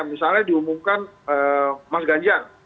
misalnya diumumkan mas ganjar